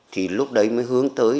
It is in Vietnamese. thì lúc đấy mới hướng tới